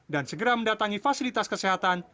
dan segera mendatangi fasilitas kesehatan